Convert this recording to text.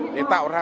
để tạo ra